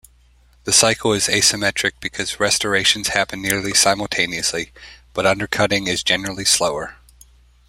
The cycle is asymmetric because restorations happen nearly simultaneously, but undercutting is generally slower.